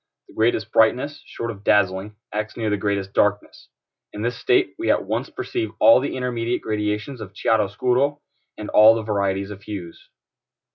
The greatest brightness, short of dazzling, acts near the greatest darkness. In this state we at once perceive all the intermediate gradations of chiaro scuro, and all the varieties of hues.